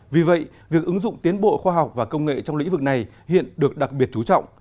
vì vậy việc ứng dụng tiến bộ khoa học và công nghệ trong lĩnh vực này hiện được đặc biệt chú trọng